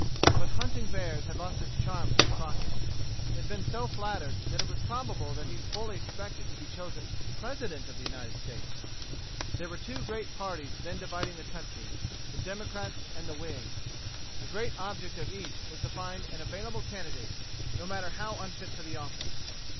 But hunting bears had lost its charms for Crockett. He had been so flattered that it is probable that he fully expected to be chosen President of the United States. There were two great parties then dividing the country, the Democrats and the Whigs. The great object of each was to find an available candidate, no matter how unfit for the office.